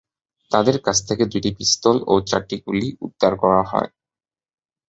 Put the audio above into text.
তাঁদের কাছ থেকে দুটি পিস্তল ও চারটি গুলি উদ্ধার করা হয়।